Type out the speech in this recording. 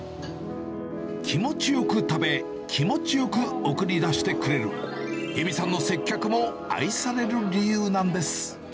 気持ちよく食べ、気持ちよく送り出してくれる、由美さんの接客も愛される理由なんです。